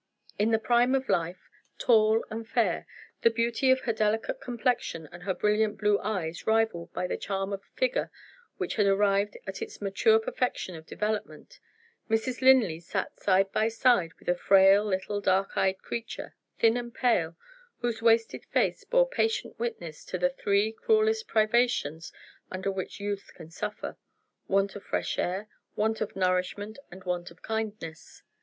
In the prime of life, tall and fair the beauty of her delicate complexion and her brilliant blue eyes rivaled by the charm of a figure which had arrived at its mature perfection of development Mrs. Linley sat side by side with a frail little dark eyed creature, thin and pale, whose wasted face bore patient witness to the three cruelest privations under which youth can suffer want of fresh air, want of nourishment, and want of kindness.